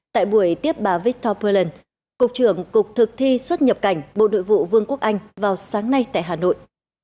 tại buổi tiếp bà victor poland cục trưởng cục thực thi xuất nhập cảnh bộ nội vụ vương quốc anh vào sáng nay tại hà nội